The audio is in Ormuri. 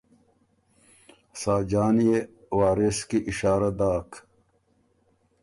ساجان يې وارث کی اشاره داک